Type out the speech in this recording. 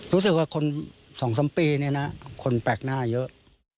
รู้สึกว่าคนสองสามปีนี้นะคนแปลกหน้าเยอะ